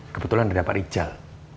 kebetulan ada pak rizal